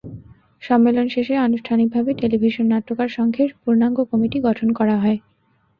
সম্মেলন শেষে আনুষ্ঠানিকভাবে টেলিভিশন নাট্যকার সংঘের পূর্ণাঙ্গ কমিটি গঠন করা হয়।